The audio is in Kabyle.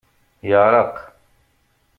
Yeɛreq.